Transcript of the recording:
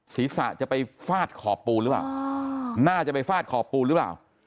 ศีรษะจะไปฟาดขอบปูนหรือเปล่าน่าจะไปฟาดขอบปูนหรือเปล่า